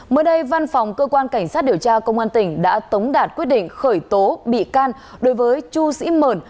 mới đây văn phòng cơ quan cảnh sát điều tra công an tỉnh đã tống đạt quyết định khởi tố bị can đối với chu sĩ mờn